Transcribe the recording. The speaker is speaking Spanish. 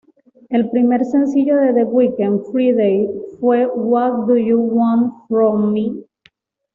El primer sencillo de The Weekend: Friday fue "What do you want from me?".